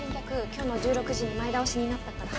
今日の１６時に前倒しになったから。